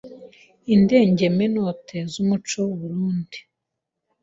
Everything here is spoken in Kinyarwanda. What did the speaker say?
Indengemenote z’Umuco w’u Burunndi